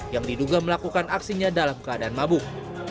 yang diduga melakukan aksinya dalam keadaan mabuk